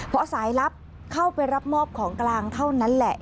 พอสายลับเข้าไปรับมอบของกลางเท่านั้นแหละ